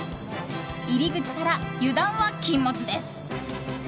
入り口から油断は禁物です。